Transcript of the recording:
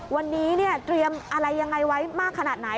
วันนี้เนี่ยเตรียมอะไรยังไงไว้มากขนาดไหน